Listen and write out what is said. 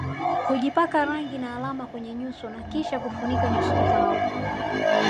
Hujipaka rangi na alama kwenye nyuso na kisha kufunika nyuso zao